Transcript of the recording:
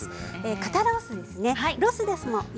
肩ロースです。